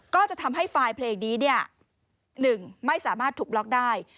ก็จะทำให้ไฟล์เพลงนี้๑ไม่สามารถถูกล็อกได้